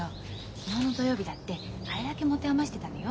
昨日の土曜日だってあれだけ持て余してたのよ。